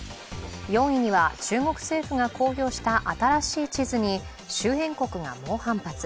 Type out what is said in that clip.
４位には、中国政府が公表した新しい地図に周辺国が猛反発。